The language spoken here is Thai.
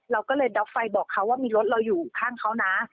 เราก็เลยด๊อกไฟบอกเขาว่ามีรถเราอยู่ข้างเขานะ